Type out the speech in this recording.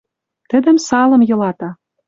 Тӹдӹм салым йылата.